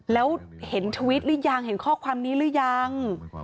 แล้วเห็นทวิตหรือยังเห็นข้อความนี้หรือยัง